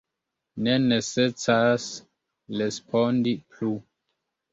Ne necesas respondi plu!